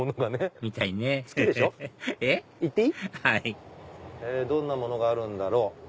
はいどんなものがあるんだろう？